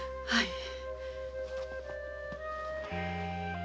はい。